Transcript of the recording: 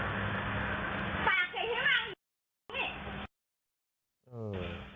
ป่าว